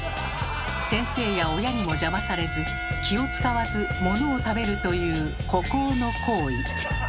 先生や親にも邪魔されず気を遣わずものを食べるという孤高の行為。